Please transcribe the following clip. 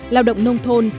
lao động nông thôn